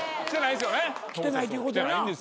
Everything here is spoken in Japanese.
来てないということやな。